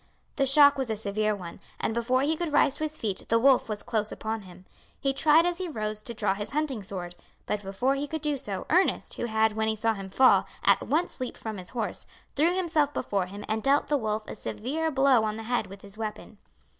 The shock was a severe one, and before he could rise to his feet the wolf was close upon him. He tried as he rose to draw his hunting sword, but before he could do so, Ernest, who had, when he saw him fall, at once leaped from his horse, threw himself before him, and dealt the wolf a severe blow on the head with his weapon.